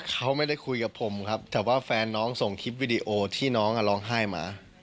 เขาไม่ได้คุยกับผมครับแต่ว่าแฟนน้องส่งคลิปวิดีโอที่น้องร้องไห้มา